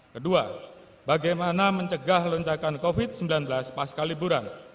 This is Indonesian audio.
kedua bagaimana mencegah loncakan covid sembilan belas pasca liburan